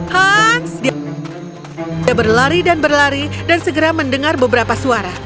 hans dia berlari dan berlari dan segera mendengar beberapa suara